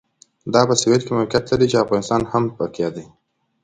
دا په سوېل کې موقعیت لري چې افغانستان هم پکې دی.